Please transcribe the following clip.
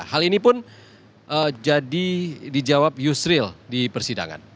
hal ini pun jadi dijawab yusril di persidangan